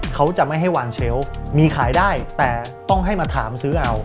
เขาจะไม่ให้วางเชลล์มีขายได้แต่ต้องให้มาถามซื้อเอา